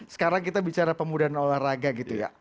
sekarang kita bicara pemudahan olahraga gitu ya